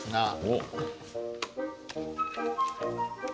ああ。